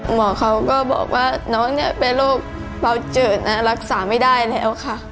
หมอเขาก็บอกว่าน้องเนี่ยเป็นโรคเบาจืดรักษาไม่ได้แล้วค่ะ